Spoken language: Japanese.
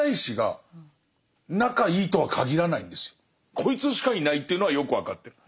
こいつしかいないっていうのはよく分かってる。